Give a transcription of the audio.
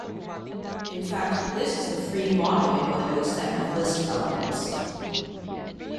In fact, this is the free monoid over the set of list elements.